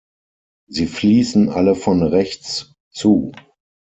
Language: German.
Sie fließen alle von rechts zu.